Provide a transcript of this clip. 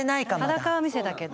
裸は見せたけど。